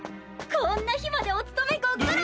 こんな日までお勤めご苦労！